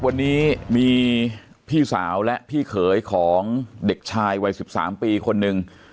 วันนี้มีพี่สาวและพี่เขยของเด็กชายวัย๑๓ปีคนหนึ่ง